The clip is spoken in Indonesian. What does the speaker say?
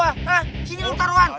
hah sini lo taroan